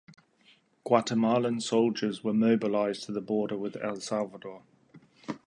Guatemalan soldiers were mobilized to the border with El Salvador.